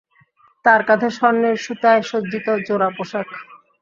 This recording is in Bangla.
তার কাঁধে স্বর্ণের সুতায় সজ্জিত জোড়া পোশাক।